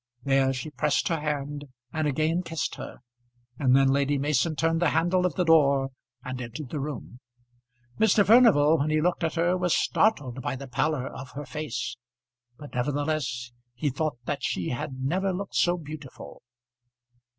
There she pressed her hand and again kissed her, and then Lady Mason turned the handle of the door and entered the room. Mr. Furnival, when he looked at her, was startled by the pallor of her face, but nevertheless he thought that she had never looked so beautiful.